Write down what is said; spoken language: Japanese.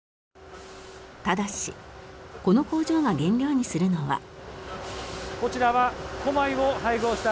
ただしこの工場が原料にするのは。